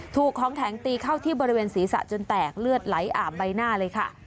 ถูกของแข็งตีเข้าที่บริเวณศีรษะจนแตกเลือดไหลอาบใบหน้าเลยค่ะ